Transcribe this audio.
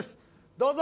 どうぞ！